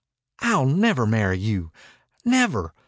"I'll never marry you! Never!